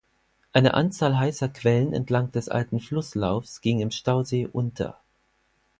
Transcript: Eine Anzahl heißer Quellen entlang des alten Flusslaufs ging im Stausee unter.